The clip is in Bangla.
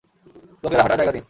লোকেরা, হাঁটার জায়গা দিন।